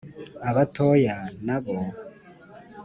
Abatoya na bo